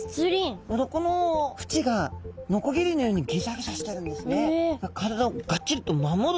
鱗の縁がのこぎりのようにギザギザしてるんですね。